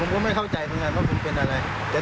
ผมก็ไม่เข้าใจว่าผมเป็นอะไร